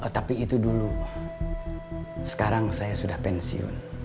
tapi itu dulu sekarang saya sudah pensiun